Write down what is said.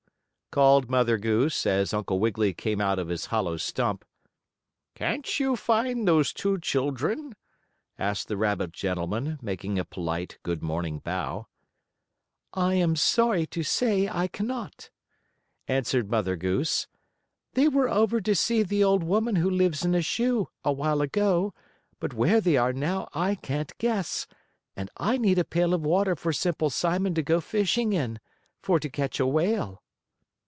called Mother Goose, as Uncle Wiggily came out of his hollow stump. "Can't you find those two children?" asked the rabbit gentleman, making a polite good morning bow. "I am sorry to say I cannot," answered Mother Goose. "They were over to see the Old Woman Who Lives in a Shoe, a while ago, but where they are now I can't guess, and I need a pail of water for Simple Simon to go fishing in, for to catch a whale."